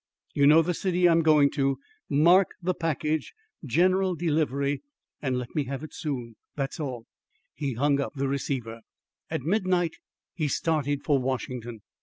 "You know the city I am going to. Mark the package, General Delivery, and let me have it soon. That's all." He hung up the receiver. At midnight he started for Washington.